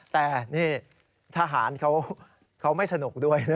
แต่นี่ทหารเขาไม่สนุกด้วยนะ